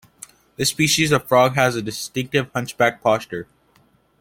This species of frog has a distinctive hunch-backed posture.